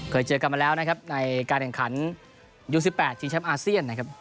เคยเจอกันมาแล้วนะครับในการแข่งขันยู๑๘ชิงแชมป์อาเซียนนะครับ